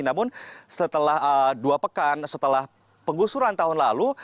namun setelah dua pekan setelah penggusuran tahun lalu